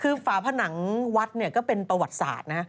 คือฝาผนังวัดเนี่ยก็เป็นประวัติศาสตร์นะ